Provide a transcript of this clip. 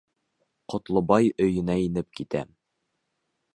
Ҡотлобай өйөнә инеп китә.